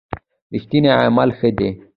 رښتوني عمل ښه دی.